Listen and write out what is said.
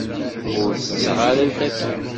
Ur tetteɣ ara lfakya.